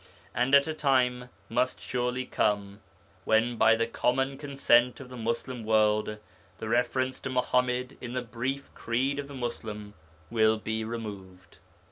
And a time must surely come when, by the common consent of the Muslim world the reference to Muḥammad in the brief creed of the Muslim will be removed.